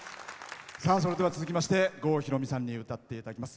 それでは続きまして郷ひろみさんに歌っていただきます。